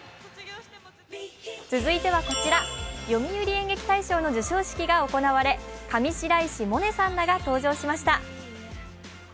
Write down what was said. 続いては、読売演劇大賞の授賞式が行われ、上白石萌音さんらが登場しました。